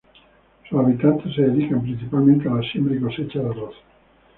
Sus habitantes se dedican principalmente a la siembra y cosecha de arroz.